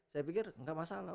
saya pikir nggak masalah